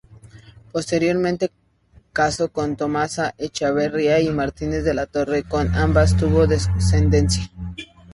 Posteriormente casó con Tomasa Echavarría y Martínez de la Torre, con ambas tuvo descendencia.